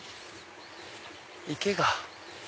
池が。